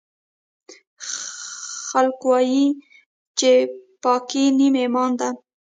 خلکوایي چې پاکۍ نیم ایمان ده